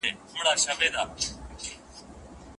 آیا ورېښتان تر نوکانو ژر اوږدیږي؟